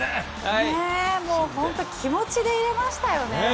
本当に気持ちで入れましたよね。